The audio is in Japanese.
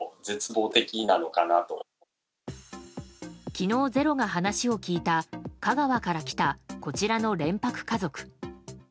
昨日「ｚｅｒｏ」が話を聞いた香川から来た、こちらの連泊家族。